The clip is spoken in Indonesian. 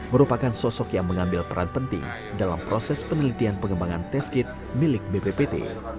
merupakan sosok yang mengambil peran penting dalam proses penelitian pengembangan tes kit milik bppt